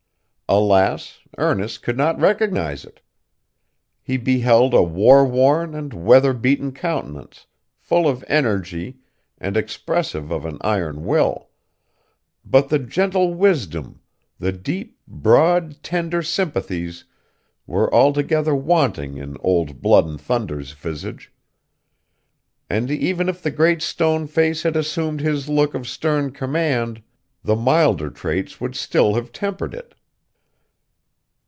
Alas, Ernest could not recognize it! He beheld a war worn and weather beaten countenance, full of energy, and expressive of an iron will; but the gentle wisdom, the deep, broad, tender sympathies, were altogether wanting in Old Blood and Thunder's visage; and even if the Great Stone Face had assumed his look of stern command, the milder traits would still have tempered it.